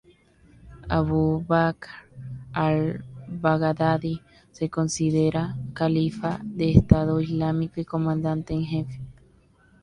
Abu Bakr al-Baghdadi, se considera califa de Estado Islámico y comandante en jefe.